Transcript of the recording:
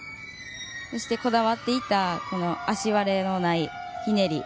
そしてこだわっていた足割れのないひねり。